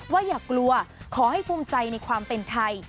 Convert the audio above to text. อย่ากลัวขอให้ภูมิใจในความเป็นไทย